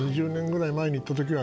前に行った時は